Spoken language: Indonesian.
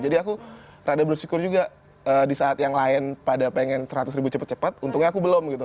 jadi aku rada bersyukur juga di saat yang lain pada pengen seratus ribu cepet cepet untungnya aku belum gitu